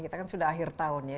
kita kan sudah akhir tahun ya